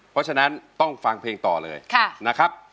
เพราะฉะนั้นต้องฟังเพลงต่อเลยนะครับ